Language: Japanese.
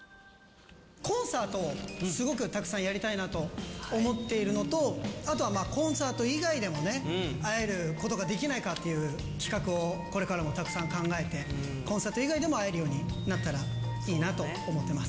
コンサートをすごくたくさんやりたいなと思っているのと、あとはコンサート以外でもね、会えることができないかっていう企画をこれからもたくさん考えて、コンサート以外でも会えるようになったらいいなと思ってます。